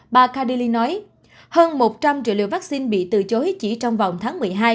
bà khadili nói hơn một trăm linh triệu liều vắc xin bị từ chối chỉ trong vòng tháng một mươi hai